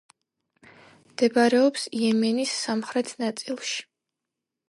მდებარეობს იემენის სამხრეთ ნაწილში.